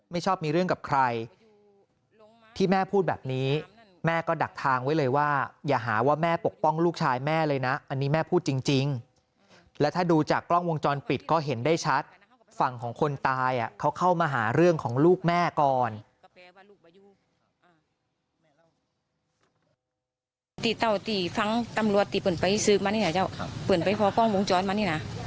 ชอบมีเรื่องกับใครที่แม่พูดแบบนี้แม่ก็ดักทางไว้เลยว่าอย่าหาว่าแม่ปกป้องลูกชายแม่เลยนะอันนี้แม่พูดจริงและถ้าดูจากกล้องวงจรปิดก็เห็นได้ชัดฝั่งของคนตายเขาเข้ามาหาเรื่องของลูกแม่ก่อน